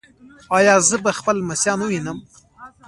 ایا زه به خپل لمسیان ووینم؟